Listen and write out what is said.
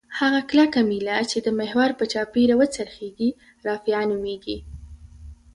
هغه کلکه میله چې د محور په چاپیره وڅرخیږي رافعه نومیږي.